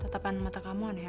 tetapan mata kamu aneh aja